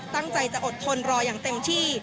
ตั้งใจจะอดทนรออย่างเต็มที่